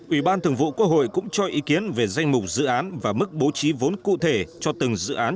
ủy ban thường vụ quốc hội cũng cho ý kiến về danh mục dự án và mức bố trí vốn cụ thể cho từng dự án